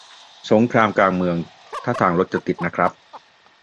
สงครามกลางเมือง ท่าทางรถจะติดนะครับ